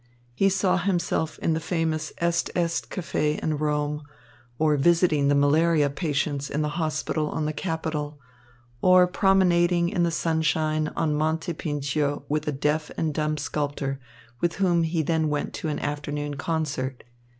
He saw himself in the famous Est Est Café in Rome, or visiting the malaria patients in the hospital on the Capitol, or promenading in the sunshine on Monte Pincio with a deaf and dumb sculptor, with whom he then went to an afternoon concert.